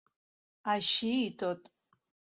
Així i tot.